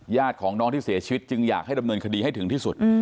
ญาติของน้องที่เสียชีวิตจึงอยากให้ดำเนินคดีให้ถึงที่สุด